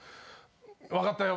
分かったよ。